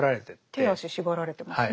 手足縛られてますね。